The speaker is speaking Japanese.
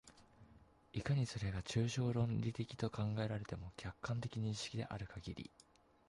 いかにそれが抽象論理的と考えられても、客観的認識であるかぎり、